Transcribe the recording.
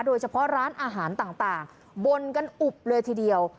โดยเฉพาะร้านอาหารต่างบนกันอุบเลยทีเดียว